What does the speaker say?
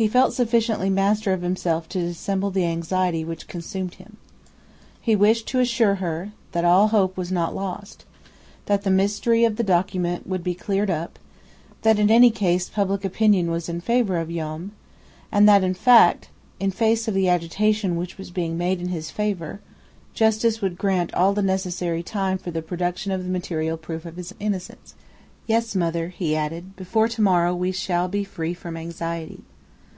He felt sufficiently master of himself to dissemble the anxiety which consumed him. He wished to assure her that all hope was not lost, that the mystery of the document would be cleared up, that in any case public opinion was in favor of Joam, and that, in face of the agitation which was being made in his favor, justice would grant all the necessary time for the production of the material proof his innocence. "Yes, mother," he added, "before to morrow we shall be free from anxiety."